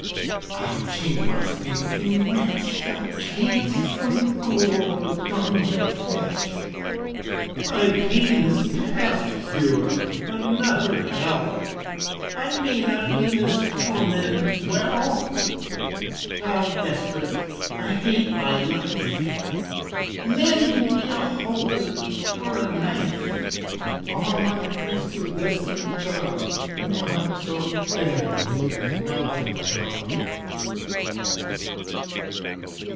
I'll change my state with any wretch, Thou canst from gaol or dunghill fetch; My pain's past cure, another hell, I may not in this torment dwell! Now desperate I hate my life, Lend me a halter or a knife; All my griefs to this are jolly, Naught so damn'd as melancholy.